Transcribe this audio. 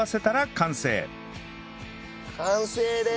完成です！